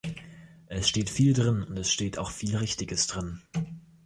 Es steht viel drin und es steht auch viel Richtiges drin.